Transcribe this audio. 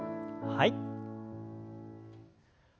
はい。